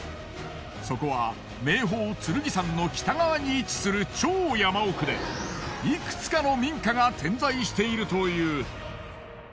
そこは名峰剣山の北側に位置する超山奥でいくつかの民家が点在しているという。